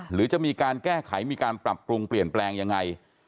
หรือจะมีการแก้ไขมีการปรับปรุงเปลี่ยนแปลงยังไง